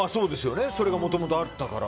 それがもともとあったから。